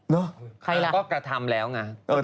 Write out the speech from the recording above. เนาะใครละก็กระทำแล้วไง